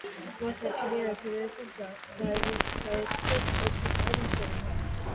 მას დარჩენია ერთადერთი გზა გაექცეს ყოფის ამ ფორმას.